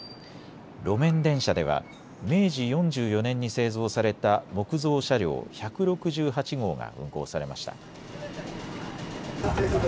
路面電車では明治４４年に製造された木造車両、１６８号が運行されました。